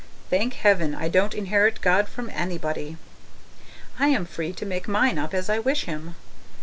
Thank heaven I don't inherit God from anybody! I am free to make mine up as I wish Him.